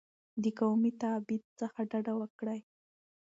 د قومي تبعیض څخه ډډه وکړئ.